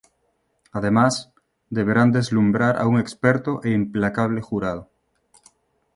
Además, deberán deslumbrar a un experto e implacable jurado.